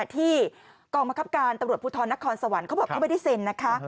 ที่กองบังคับการตำรวจภูทรนครสวรรค์เขาบอกเขาไม่ได้เซ็นนะคะ